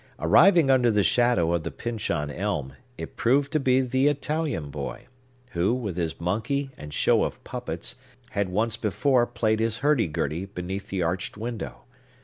Arriving under the shadow of the Pyncheon Elm, it proved to be the Italian boy, who, with his monkey and show of puppets, had once before played his hurdy gurdy beneath the arched window.